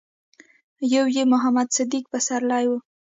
يو يې محمد صديق پسرلی و.